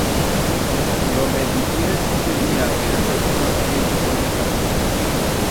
Lo me diciés ixe día pero no te facié pont de caso.